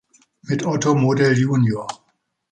Mit Otto Model jun.